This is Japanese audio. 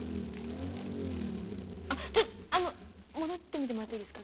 あっちょあの戻ってみてもらっていいですか？